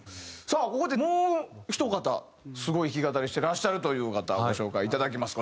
さあここでもうひと方すごい弾き語りしてらっしゃるという方をご紹介いただきます。